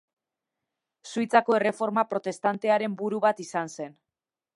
Suitzako Erreforma Protestantearen buru bat izan zen.